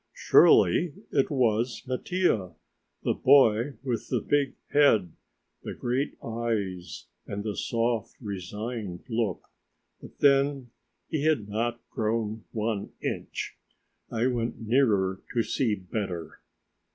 Surely it was Mattia, the boy with the big head, the great eyes and the soft, resigned look. But then he had not grown one inch! I went nearer to see better.